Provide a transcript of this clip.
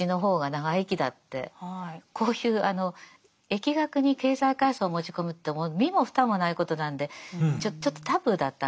こういう疫学に経済階層を持ち込むって身も蓋もないことなんでちょっとタブーだったんですよね。